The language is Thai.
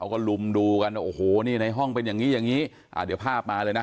แล้วก็รูมดูกันในห้องเป็นอย่างนี้าอย่างนี้